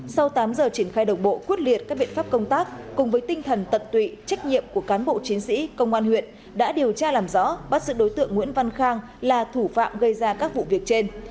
sau tám giờ triển khai đồng bộ quyết liệt các biện pháp công tác cùng với tinh thần tận tụy trách nhiệm của cán bộ chiến sĩ công an huyện đã điều tra làm rõ bắt giữ đối tượng nguyễn văn khang là thủ phạm gây ra các vụ việc trên